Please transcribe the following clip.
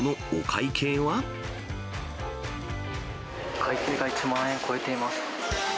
会計が１万円超えています。